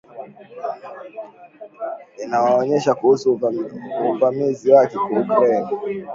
Inawaonya kuhusu uvamizi wake kwa Ukraine